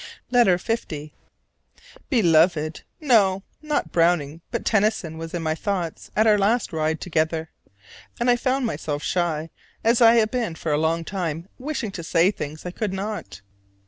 LETTER L. Beloved: No, not Browning but Tennyson was in my thoughts at our last ride together: and I found myself shy, as I have been for a long time wishing to say things I could not.